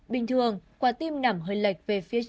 bình thường quả tim nằm hơi lệch về phía trước